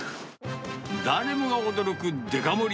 誰もが驚くデカ盛り